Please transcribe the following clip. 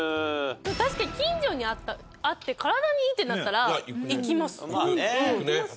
確かに近所にあって体にいいってなったら行きます。